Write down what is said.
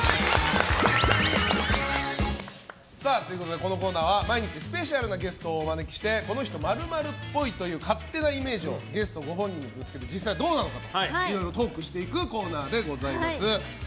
このコーナーは毎日、スペシャルなゲストをお招きしてこの人、○○っぽいという勝手なイメージをゲストご本人にぶつけて実際どうなのかとトークしていくコーナーでございます。